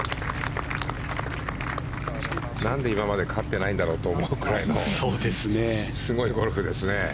なんで今まで勝ってないんだろうと思うくらいのすごいゴルフですね。